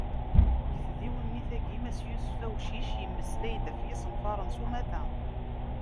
Deg tdiwennit-agi, mass Yusef Awcic, yemmeslay-d ɣef yisenfaren s umata.